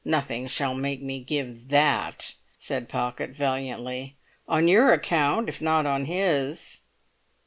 "Nothing shall make me give that," said Pocket valiantly; "on your account, if not on his!"